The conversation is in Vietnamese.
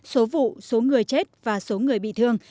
số vụ số người chết và số người bị thương